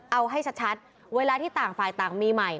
เอาให้ชัดเวลาที่ต่างฝ่ายต่างมีใหม่